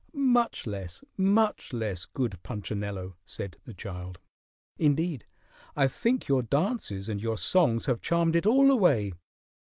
"Much less, much less, good Punchinello," said the child. "Indeed, I think your dances and your songs have charmed it all away.